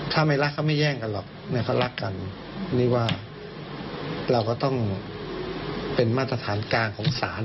ถ้าไม่รักเขาไม่แย่งกันหรอกเขารักกันนี่ว่าเราก็ต้องเป็นมาตรฐานกลางของศาล